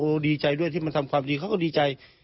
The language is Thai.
ดีใจด้วยที่มาทำความดีเขาก็ดีใจ